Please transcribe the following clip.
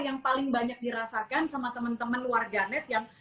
yang paling banyak dirasakan sama teman teman warganet yang